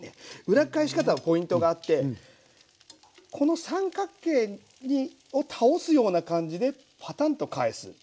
裏返し方のポイントがあってこの三角形を倒すような感じでパタンと返す。